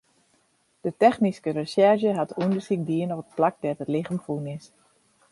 De technyske resjerzje hat ûndersyk dien op it plak dêr't it lichem fûn is.